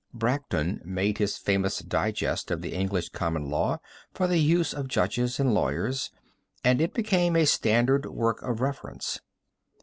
Bracton made his famous digest of the English common law for the use of judges and lawyers and it became a standard work of reference.